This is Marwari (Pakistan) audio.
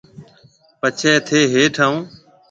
پڇيَ ٿَي هيٺ آئون۔